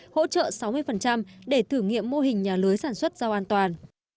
hỗ trợ sáu mươi để thử nghiệm mô hình nhà lưới sản xuất rau an toàn